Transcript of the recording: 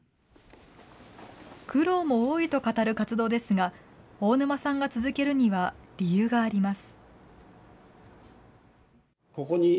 苦労も多いと語る活動ですが、大沼さんが続けるには理由があります。